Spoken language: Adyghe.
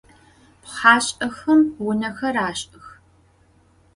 Pxhaş'exem vunexer aş'ıx.